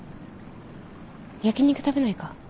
焼き肉食べないか？